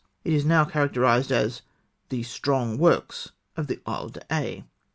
It is now characterised as " the strong works " on the Isle d'Aix.